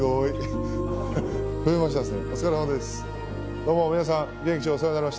どうも。